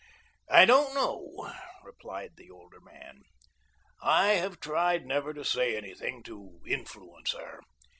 "I don't know," replied the older man. "I have tried never to say anything to influence her.